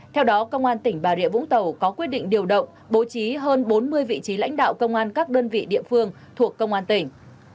theo đó công an tỉnh bà rịa vũng tàu có quyết định điều động bố trí hơn bốn mươi vị trí lãnh đạo công an các đơn vị địa phương thuộc công an tỉnh